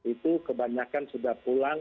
itu kebanyakan sudah pulang